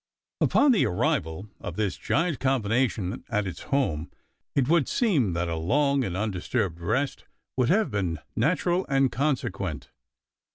Upon the arrival of this giant combination at its home, it would seem that a long and undisturbed rest would have been natural and consequent.